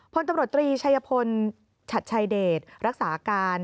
พลตำรวจตรีชัยพลฉัดชัยเดชรักษาการ